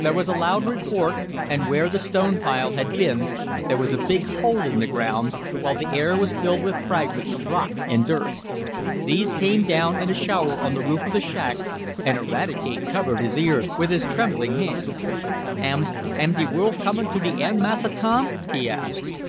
There was a loud report, and where the stone pile had been there was a big hole in the ground, while the air was filled with fragments of rock and dirt. These came down in a shower on the roof of the shack, and Eradicate covered his ears with his trembling hands. "Am am de world comin' to de end, Massa Tom?" he asked.